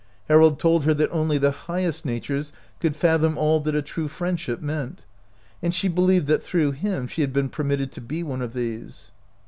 Harold told her that only the highest natures could fathom all fhat a true friendship meant, and she believed that through him she had been permitted to be one of these.